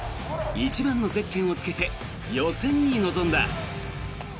１番のゼッケンをつけて予選に臨んだ。